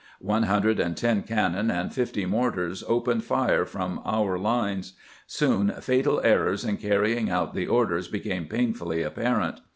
One hundred and ten cannon and fifty mortars opened fire from our lines. Soon fatal errors in carrying out the orders became pain fully apparent.